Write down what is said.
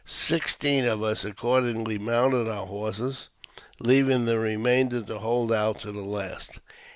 Sixteen of us accordingly mounted our horses, leaving the remainder to hold out to the last.